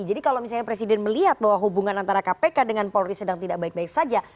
jadi kalau misalnya presiden melihat bahwa hubungan antara kpk dengan polri sedang tidak baik baik saja